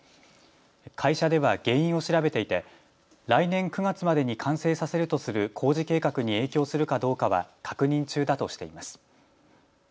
会社では原因を調べていて来年９月までに完成させるとする工事計画に影響するかどうかは確認中だとしています。